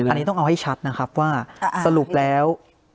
อันนี้ต้องเอาให้ชัดนะครับว่าสรุปแล้ว